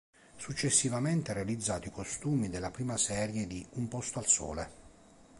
Successivamente ha realizzato i costumi della prima serie di "Un posto al sole".